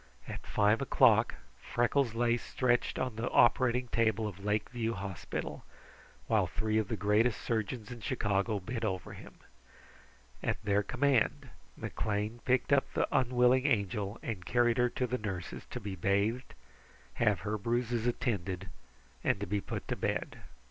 At five o'clock Freckles lay stretched on the operating table of Lake View Hospital, while three of the greatest surgeons in Chicago bent over him. At their command, McLean picked up the unwilling Angel and carried her to the nurses to be bathed, have her bruises attended, and to be put to bed.